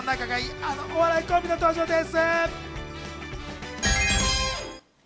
あのお笑いコンビの登場です。